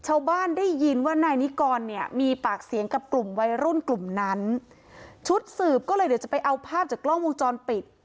ชาวบ้านได้ยินว่านายนิกรเนี่ยมีปากเสียงกับกลุ่มวัยรุ่นกลุ่มนั้นชุดสืบก็เลยเดี๋ยวจะไปเอาภาพจากกล้องวงจรปิด